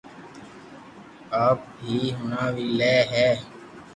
آپ ھي ھڻاو وي لي ھي